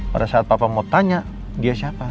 pada saat papa mau tanya dia siapa